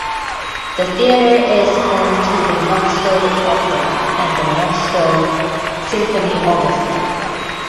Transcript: The theater is home to the Knoxville Opera, and the Knoxville Symphony Orchestra.